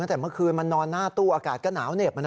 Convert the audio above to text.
แต่พักมันนอนหน้าตู้อากาศก็หนาวเหน็บ